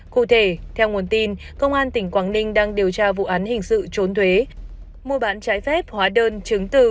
cụ thể theo nguồn tin công an tỉnh quảng ninh đang điều tra vụ án hình sự trốn thuế mua bán trái phép hóa đơn chứng từ